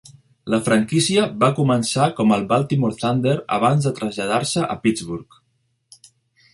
La franquícia va començar com el Baltimore Thunder abans de traslladar-se a Pittsburgh.